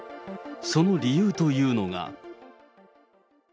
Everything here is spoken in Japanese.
その理由というのが。